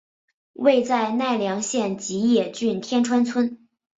位在奈良县吉野郡天川村。